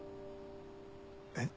えっ？